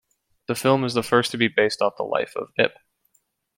The film is the first to be based on the life of Ip.